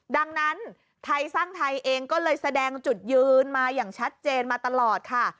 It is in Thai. ดังนั้นไทยสร้างไทยเองก็เลยแสดงจุดยืนมาอย่างชัดเจนมาตลอดค่ะ